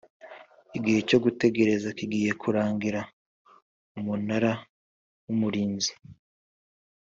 igihe cyo gutegereza kigiye kurangira Umunara w Umurinzi